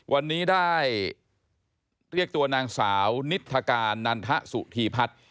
วันนี้ได้เรียกตัวนางสาวนิทธการนันทสุธีพัฒน์